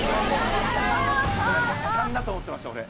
３だと思ってました、俺。